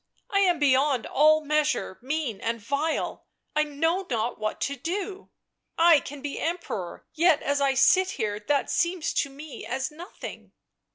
"I am beyond all measure mean and vile. ... I know not what to do. ... I can be Emperor, yet as I sit here that seems to me as nothing."